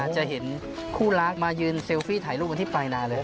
จะเห็นคู่รักมายืนเซลฟี่ถ่ายรูปกันที่ปลายนาเลย